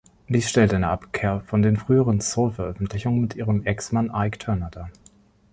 Dies stellt eine Abkehr von den früheren Soul-Veröffentlichungen mit ihrem Exmann Ike Turner dar.